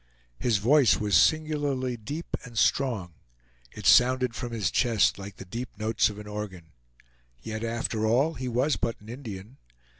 His voice was singularly deep and strong. It sounded from his chest like the deep notes of an organ. Yet after all, he was but an Indian.